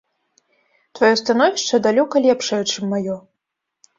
Тваё становішча далёка лепшае, чым маё.